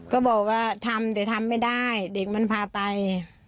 ก็บอกว่าทำแต่ทำไม่ได้เด็กมันพาไป